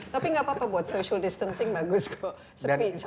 tapi nggak apa apa buat social distancing bagus kok